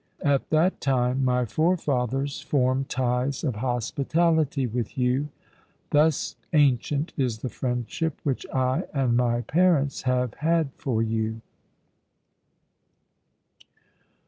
At that time my forefathers formed ties of hospitality with you; thus ancient is the friendship which I and my parents have had for you.